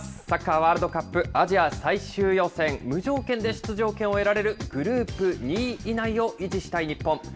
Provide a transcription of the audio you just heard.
サッカーワールドカップアジア最終予選、無条件で出場権を得られるグループ２位以内を維持したい日本。